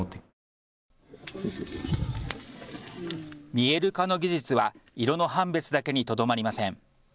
見える化の技術は色の判別だけにとどまりません。